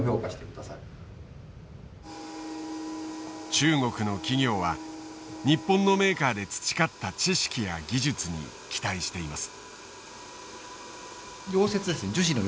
中国の企業は日本のメーカーで培った知識や技術に期待しています。